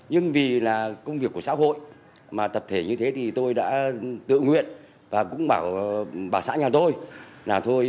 nhưng vì là công việc của xã hội mà tập thể như thế thì tôi đã tự nguyện và cũng bảo xã nhà tôi là thôi